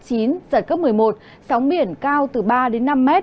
giật cấp một mươi một sóng biển cao từ ba năm m